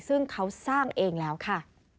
ซึ่งเขาสร้างเองแล้วค่ะ